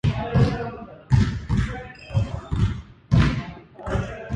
悲しいことがあったとしても、今は前を向いて歩かなければならない。